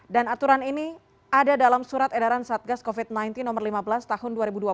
dan aturan ini ada dalam surat edaran satgas covid sembilan belas nomor lima belas tahun dua ribu dua puluh dua